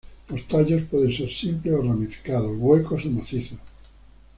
Los tallos pueden ser simples o ramificados, huecos o macizos.